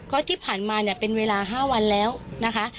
ก็ที่ผ่านมาเนี่ยเป็นเวลา๕วันแล้วนะคะ